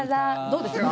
どうですか。